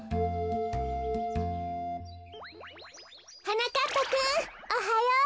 はなかっぱくんおはよう。